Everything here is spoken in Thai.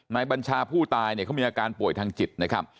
บัญชาผู้ตายเนี่ยเขามีอาการป่วยทางจิตนะครับ